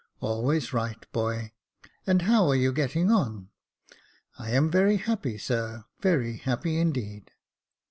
*' Always right, boy ; and how are you getting on ?"*' I am very happy, sir, very happy, indeed."